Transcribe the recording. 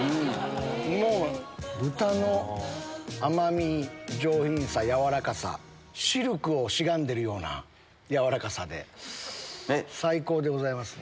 もう豚の甘み、上品さ、やわらかさ、シルクをしがんでるようなやわらかさで最高でございますね。